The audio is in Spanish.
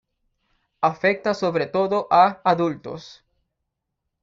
Afecta sobre todo a adultos.